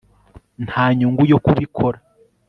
Nta nyungu yo kubikora